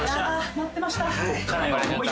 待ってました